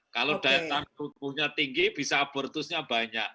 kalau daya tahan tubuhnya tinggi bisa abortusnya banyak